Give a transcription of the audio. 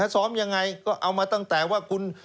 ซ้อมยังไงก็เอามาตั้งแต่ว่าคุณ